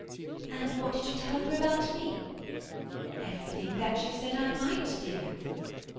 "And what did you tell her about me?" "Everything that you said I might, dear."